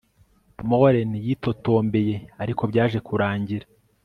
maureen yitotombeye ariko byaje kuranmgira